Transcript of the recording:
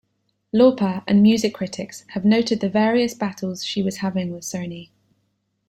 Lauper, and music critics, have noted the various battles she was having with Sony.